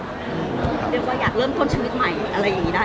เรียกว่าอยากเริ่มต้นชีวิตใหม่อะไรอย่างนี้ได้